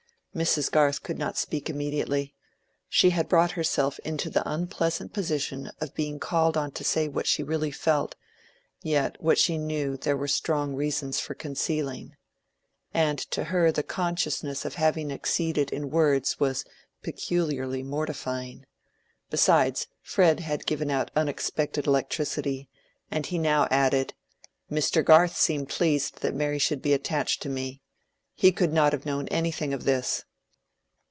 Mrs. Garth could not speak immediately. She had brought herself into the unpleasant position of being called on to say what she really felt, yet what she knew there were strong reasons for concealing. And to her the consciousness of having exceeded in words was peculiarly mortifying. Besides, Fred had given out unexpected electricity, and he now added, "Mr. Garth seemed pleased that Mary should be attached to me. He could not have known anything of this."